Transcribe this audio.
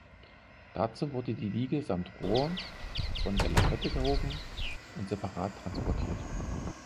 Dazu wurde die Wiege samt Rohr von der Lafette gehoben und separat transportiert.